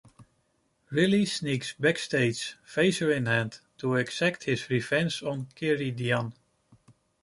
Riley sneaks backstage, phaser in hand, to exact his revenge on Karidian.